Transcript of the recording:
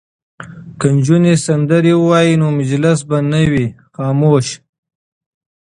که نجونې سندرې ووايي نو مجلس به نه وي خاموش.